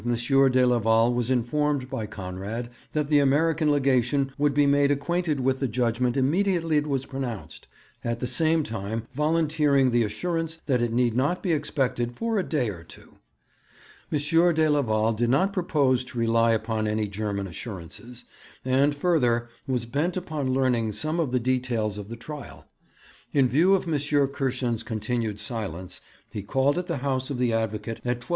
de Leval was informed by Conrad that the American Legation would be made acquainted with the judgement immediately it was pronounced, at the same time volunteering the assurance that it need not be expected for 'a day or two.' M. de Leval did not propose to rely upon any German assurances, and, further, was bent upon learning some of the details of the trial. In view of M. Kirschen's continued silence, he called at the house of the advocate at 12.